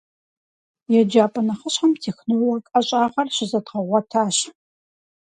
Еджапӏэ нэхъыщхьэм «технолог» ӏэщӏагъэр щызэдгъэгъуэтащ.